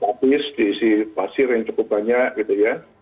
lantai itu sudah diisi pasir yang cukup banyak gitu ya